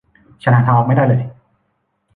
ฉันหาทางออกไม่ได้เลย